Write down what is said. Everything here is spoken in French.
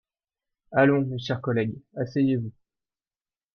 Allons, mes chers collègues, asseyez-vous